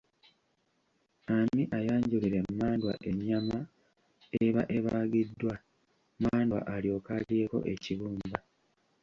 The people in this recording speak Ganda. Ani ayanjulira emmandwa ennyama eba ebaagiddwa, mmandwa alyoke alyeko ekibumba?